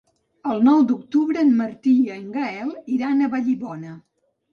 El nou d'octubre en Martí i en Gaël iran a Vallibona.